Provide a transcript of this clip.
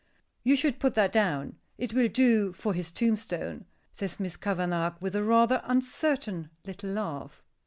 "You should put that down. It will do for his tombstone," says Miss Kavanagh, with a rather uncertain little laugh.